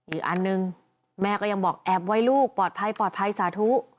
อีกอันหนึ่งแม่ก็ยังบอกแอบไว้ลูกปลอดภัยปลอดภัยสาธุ